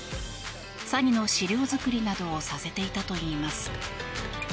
詐欺の資料作りなどをさせていたといいます。